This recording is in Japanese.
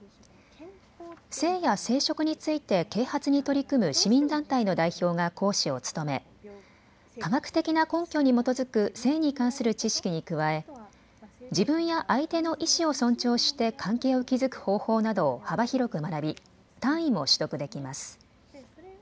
性や生殖について啓発に取り組む市民団体の代表が講師を務め科学的な根拠に基づく性に関する知識に加え自分や相手の意思を尊重して関係を築く方法などを幅広く学び単位も取得できます。